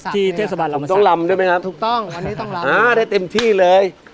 ที่เทศบาลลำต้องลำได้ไหมครับถูกต้องวันนี้ต้องลำอ่าได้เต็มที่เลย